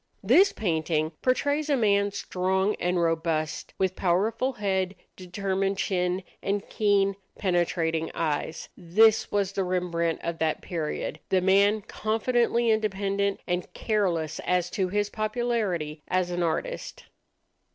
This painting portrays a man strong and robust, with powerful head, determined chin, and keen, penetrating eyes. This was the Rembrandt of that period, the man confidently independent and careless as to his popularity as an artist.